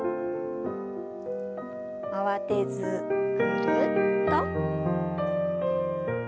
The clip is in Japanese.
慌てずぐるっと。